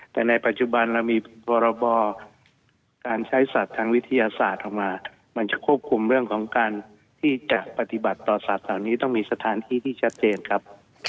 แต่ในปัจจุบันเรามีพรบการใช้สัตว์ทางวิทยาศาสตร์ออกมามันจะควบคุมเรื่องของการที่จะปฏิบัติต่อสัตว์เหล่านี้ต้องมีสถานที่ที่ชัดเจนครับ